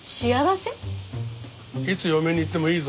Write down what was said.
いつ嫁に行ってもいいぞ。